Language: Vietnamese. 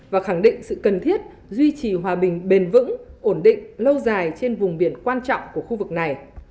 và khẳng định sự cần thiết duy trì hòa bình bền vững ổn định lâu dài trên vùng biển quan trọng của khu vực này